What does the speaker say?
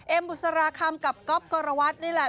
เอ็มบุษราคัมกับก๊อบกรววัตน์นี่แหละ